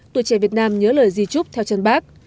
tuổi trẻ việt nam nhớ lời di trúc theo chân bác